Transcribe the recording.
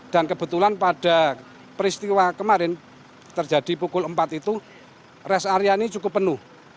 dan kebetulan pada peristiwa kemarin terjadi pukul empat itu rest area ini cukup penuh